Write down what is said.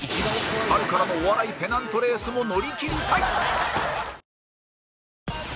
春からのお笑いペナントレースも乗りきりたい！